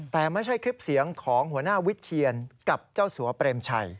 แต่ไม่ใช่คลิปเสียงของหัวหน้าวิเชียนกับเจ้าสัวเปรมชัย